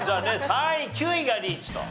３位９位がリーチと。